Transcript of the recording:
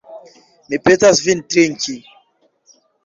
Mi petas vin trinki.